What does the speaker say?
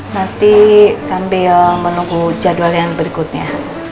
nanti sambil menunggu jadwal yang berikutnya